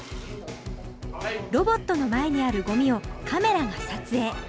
ロボットの前にあるゴミをカメラが撮影。